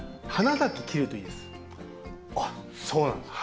あっそうなんですか？